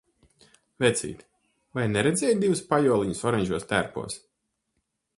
Vecīt, vai neredzēji divus pajoliņus oranžos tērpos?